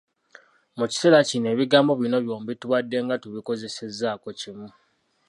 Mu kiseera kino ebigambo bino byombi tubadde nga tubikozesezaako kimu.